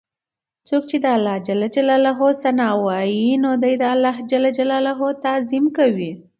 څوک چې د الله حمد او ثناء وايي، نو دی د الله تعظيم کوي